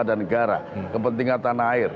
dan negara kepentingan tanah air